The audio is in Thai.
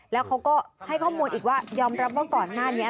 แล้วเขาก็ให้ข้อมูลอีกว่ายอมรับว่าก่อนหน้านี้